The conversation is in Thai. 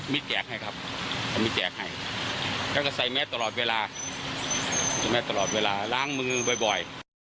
แม่ตลอดเวลาล้างมือบ่อย